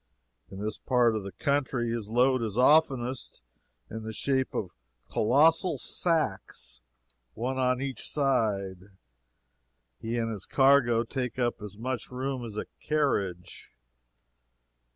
In this part of the country his load is oftenest in the shape of colossal sacks one on each side. He and his cargo take up as much room as a carriage.